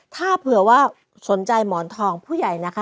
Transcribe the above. ถ้าเผื่อว่าสนใจหมอนทองผู้ใหญ่นะคะ